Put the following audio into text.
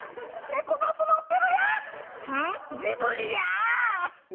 猫バス乗ってるやん。